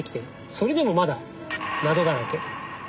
それでもまだ謎だらけ。